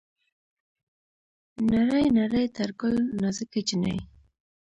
نرۍ نرى تر ګل نازکه جينۍ